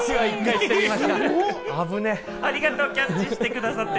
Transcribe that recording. ありがとう、キャッチしてくださって。